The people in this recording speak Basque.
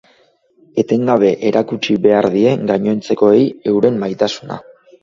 Etengabe erakutsi behar die gainontzekoei euren maitasuna.